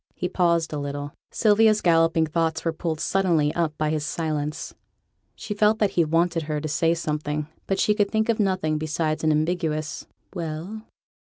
He paused a little. Sylvia's galloping thoughts were pulled suddenly up by his silence; she felt that he wanted her to say something, but she could think of nothing besides an ambiguous 'Well?'